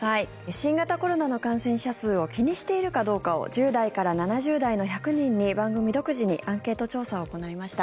新型コロナの感染者数を気にしているかどうかを１０代から７０代の１００人に番組独自にアンケート調査を行いました。